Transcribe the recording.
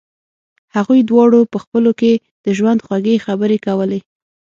هغوی دواړو په خپلو کې د ژوند خوږې خبرې کولې